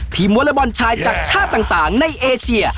วอเล็กบอลชายจากชาติต่างในเอเชีย